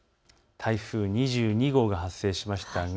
台風２２号が発生しました。